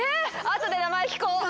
後で名前聞こう。